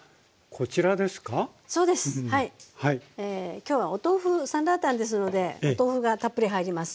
今日はお豆腐サンラータンですのでお豆腐がたっぷり入ります。